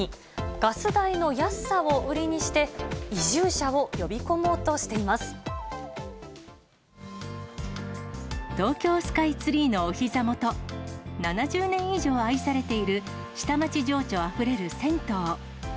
ガス代の安さを売りにして、東京スカイツリーのおひざ元、７０年以上愛されている下町情緒あふれる銭湯。